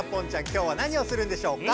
今日は何をするんでしょうか？